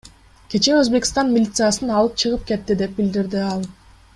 Кечээ, Өзбекстан милициясын алып чыгып кетти, — деп билдирди ал.